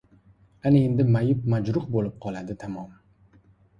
Ana endi mayib-majruh bo‘lib qoladi, tamom!